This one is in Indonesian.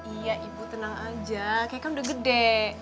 iya ibu tenang aja kayaknya kan udah gede